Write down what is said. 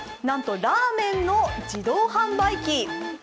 なんとラーメンの自動販売機。